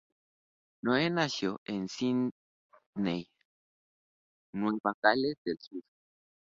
Zoe nació en Sídney, Nueva Gales del Sur.